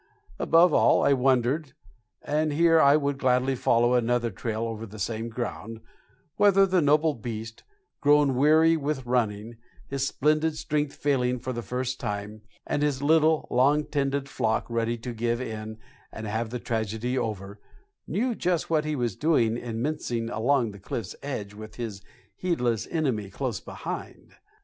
Above all, I wondered and here I would gladly follow another trail over the same ground whether the noble beast, grown weary with running, his splendid strength failing for the first time, and his little, long tended flock ready to give in and have the tragedy over, knew just what he was doing in mincing along the cliff's edge with his heedless enemy close behind.